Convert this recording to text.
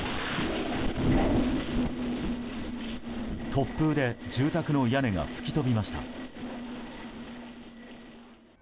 突風で住宅の屋根が吹き飛びました。